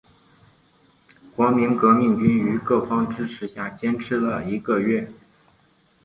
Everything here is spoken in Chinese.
国民革命军于各方支持下坚持一个多月。